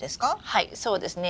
はいそうですね。